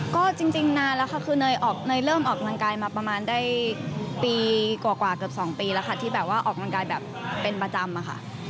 ก็จริงนานแล้วค่ะคือเนยเริ่มออกกำลังกายมาประมาณได้ปีกว่าเกือบ๒ปีแล้วค่ะที่แบบว่าออกกำลังกายแบบเป็นประจำอะค่ะ